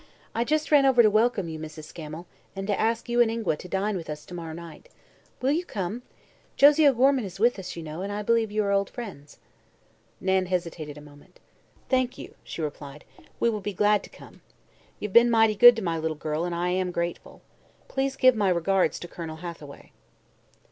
"I just ran over to welcome you, Mrs. Scammel, and to ask you and Ingua to dine with us to morrow night. Will you come? Josie O'Gorman is with us, you know, and I believe you are old friends." Nan hesitated a moment. "Thank you," she replied, "we'll be glad to come. You've been mighty good to my little girl and I am grateful. Please give my regards to Colonel Hathaway."